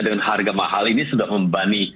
dengan harga mahal ini sudah membanding